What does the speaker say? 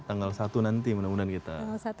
tanggal satu nanti mudah mudahan kita